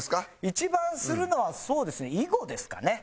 一番するのはそうですね囲碁ですかね。